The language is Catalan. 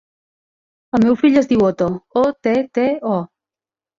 El meu fill es diu Otto: o, te, te, o.